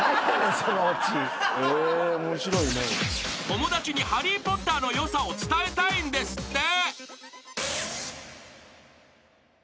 ［友達に『ハリー・ポッター』のよさを伝えたいんですって］